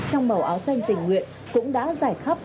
để đưa đồ ăn nhu yếu phẩm đến cho bà